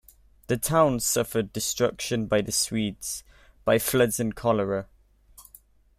The town suffered destruction by the Swedes, by floods and cholera.